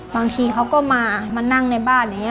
บางทีเขาก็มามานั่งในบ้านอย่างนี้